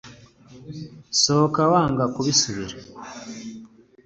sohoka wanga kubisubira